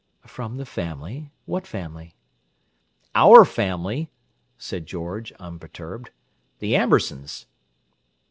"From 'the family'? What family?" "Our family," said George, unperturbed. "The Ambersons."